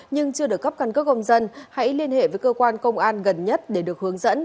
nhưng chưa được cấp căn cước công dân hãy liên hệ với cơ quan công an gần nhất để được hướng dẫn